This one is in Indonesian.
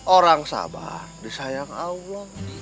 orang sabar disayang allah